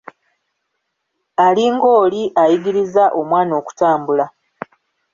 Ali ng'oli ayigiriza omwana okutambula.